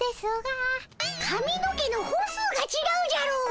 かみの毛の本数がちがうじゃろー。